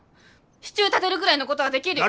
支柱立てるぐらいのごどはできるよ！